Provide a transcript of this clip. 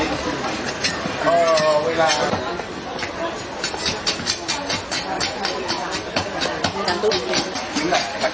แต่เดี๋ยวเดี๋ยวก็ใช้ไม่ได้นะครับ